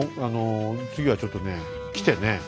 あの次はちょっとね来てね